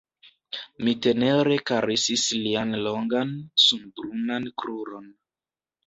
Mi tenere karesis lian longan, sunbrunan kruron.